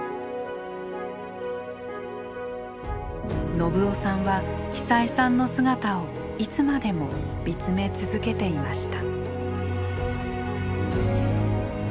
信男さんは久枝さんの姿をいつまでも見つめ続けていました。